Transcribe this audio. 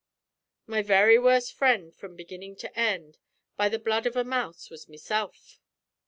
"'My very worst friend from beginning to end, By the blood of a mouse, was mesilf.'